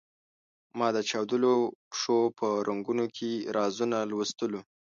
ما د چاودلو پښو په رنګونو کې رازونه لوستلو.